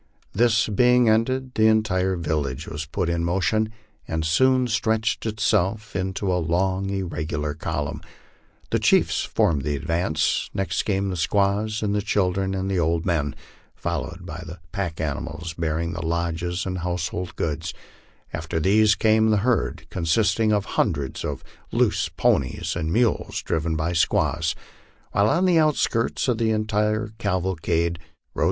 This being ended, the entire village was put in motion, and soon stretched itself into a long, irregular column. The chiefs formed the advance ; next came the squaws and children and the old men, followed by the pack animals bearing the lodges and household goods ; after these came the herd, consisting of hundreds of loose ponies and mules, driven by squaws ; while on the outskirts of the entire cavalcade rode MY LIFE ON THE PLAINS.